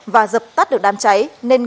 và dập tắt được đám cháy